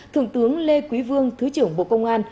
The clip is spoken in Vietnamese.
thượng tướng lê quý vương thứ trưởng bộ công an